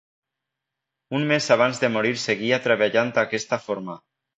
Un mes abans de morir seguia treballant d'aquesta forma.